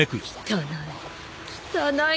汚い。